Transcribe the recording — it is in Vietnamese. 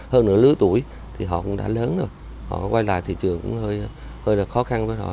hơn nửa lứa tuổi thì họ cũng đã lớn rồi họ quay lại thị trường cũng hơi là khó khăn với họ